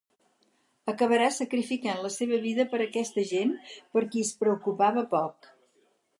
Acabarà sacrificant la seva vida per aquesta gent per qui es preocupava poc.